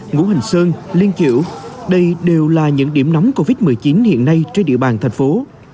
ngũ hành sơn liên kiểu đây đều là những điểm nóng covid một mươi chín hiện nay trên địa bàn thành phố